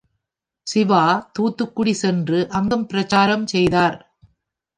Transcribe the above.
சிவா, தூத்துக்குடி சென்று அங்கும் பிரசாரம் செய்தார்.